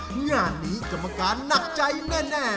งานนี้กรรมการหนักใจแน่